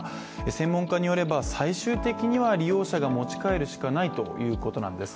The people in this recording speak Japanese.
専門家によれば、最終的には利用者が持ち帰るしかないということなんです。